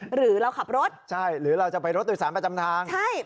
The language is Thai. หรือเราขับรถใช่หรือเราจะไปรถโดยสารประจำทางใช่